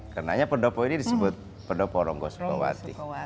karena pendopo ini disebut pendopo ronggo soekowati